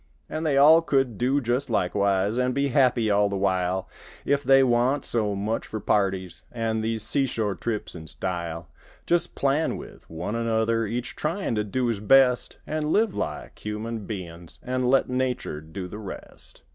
An' they all could do just likewise An' be happy all the while, If they wa'n't so much for parties An' these seashore trips—an' style. Just plan with one another Each tryin' to do his best; An' live like human bein's An' let nature do the rest.